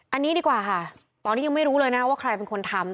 อันนี้ดีกว่าค่ะตอนนี้ยังไม่รู้เลยนะว่าใครเป็นคนทำ